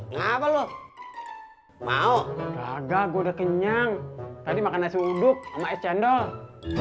nggak apa lu mau gag sejaplah kenyang tadi makan nasi uduk masecak